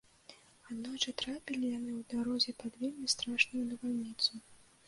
Аднойчы трапілі яны ў дарозе пад вельмі страшную навальніцу.